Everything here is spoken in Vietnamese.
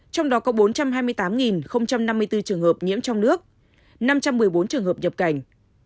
hai mươi tám năm mươi bốn trường hợp nhiễm trong nước năm trăm một mươi bốn trường hợp nhập cảnh